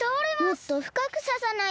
もっとふかくささないと。